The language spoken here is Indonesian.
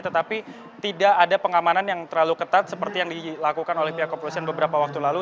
tetapi tidak ada pengamanan yang terlalu ketat seperti yang dilakukan oleh pihak kepolisian beberapa waktu lalu